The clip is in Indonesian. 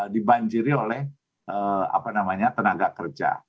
dibanjiri oleh tenaga kerja